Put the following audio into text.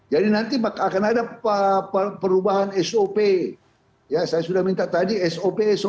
jadi nanti akan ada perubahan sop ya saya sudah minta tadi sop sop pengawasan